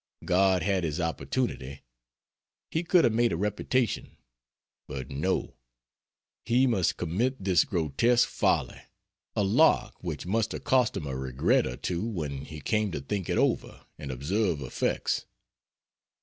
God had his opportunity. He could have made a reputation. But no, He must commit this grotesque folly a lark which must have cost him a regret or two when He came to think it over and observe effects.